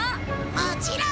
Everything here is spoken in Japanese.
もちろん。